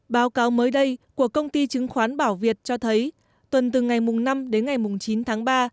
báo cáo mới đây của công ty chứng khoán bảo việt cho thấy tuần từ ngày năm đến ngày chín tháng ba